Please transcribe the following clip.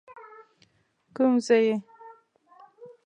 کيم ځي ئې